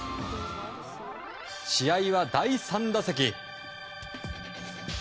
試合は第３打席。